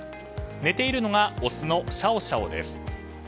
寝ているのがオスのシャオシャオです。